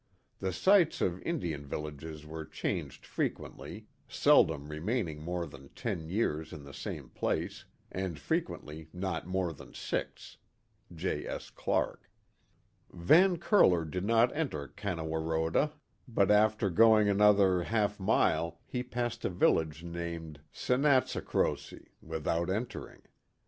The sites of In dian villages were changed frequently, seldom remaining more than ten years in the same place, and frequently not more than six." — J. S, Clark.] Van Curler did not enter Canowaroda, but after going an other half mile he passed a village named Senatsycrosy, with out entering.